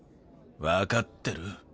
分かってる。